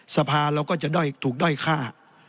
สภาเราก็จะด้อยถูกด้อยฆ่า